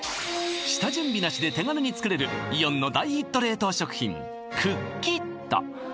下準備なしで手軽に作れるイオンの大ヒット冷凍食品ＣｏｏＫｉｔ